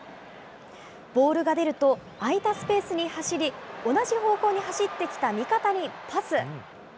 ボールが出ると、空いたスペースに走り、同じ方向に走ってきた味方にパス。